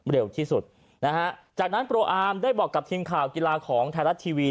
เร็วที่สุดนะฮะจากนั้นโปรอาร์มได้บอกกับทีมข่าวกีฬาของไทยรัฐทีวี